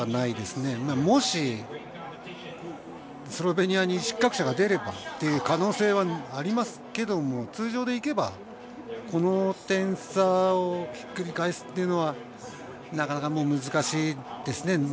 もし、スロベニアに失格者が出ればという可能性はありますけども通常でいけばこの点差をひっくり返すのはなかなか難しいですね。